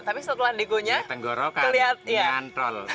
tapi setelah digunyah terlihat nyantol